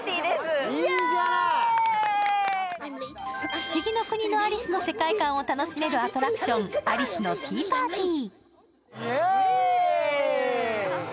「ふしぎの国のアリス」の世界観を楽しめるアトラクション、アリスのティーパーティー。